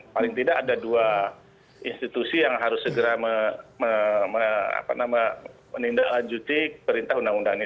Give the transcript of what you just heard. paling tidak ada dua institusi yang harus segera menindaklanjuti perintah undang undang ini